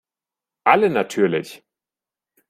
Alle natürlich.